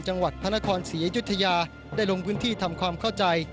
จังหวัดพระนครศรีอยุธยาได้ลงพื้นที่ทำความเข้าใจ